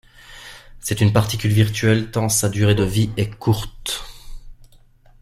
C'est une particule virtuelle tant sa durée de vie est courte.